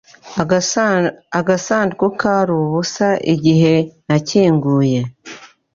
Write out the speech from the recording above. Agasanduku kari ubusa igihe nakinguye.